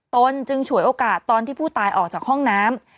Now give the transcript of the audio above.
ตนจึงฉวยโอกาสตอนที่ผู้ตายออกจากห้องน้ำ